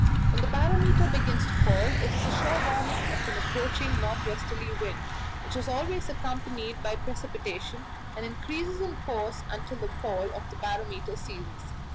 When the barometer begins to fall, it is a sure warning of an approaching north westerly wind, which is always accompanied by precipitation, and increases in force until the fall of the barometer ceases.